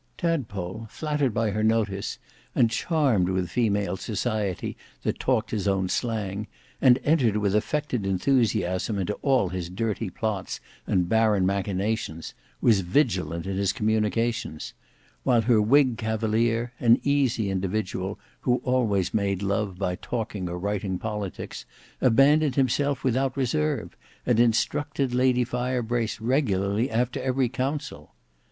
Tadpole flattered by her notice, and charmed with female society that talked his own slang, and entered with affected enthusiasm into all his dirty plots and barren machinations, was vigilant in his communications; while her whig cavalier, an easy individual who always made love by talking or writing politics, abandoned himself without reserve, and instructed Lady Firebrace regularly after every council.